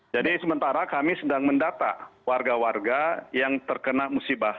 jadi sementara kami sedang mendata warga warga yang terkena musibah